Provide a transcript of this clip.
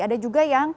ada juga yang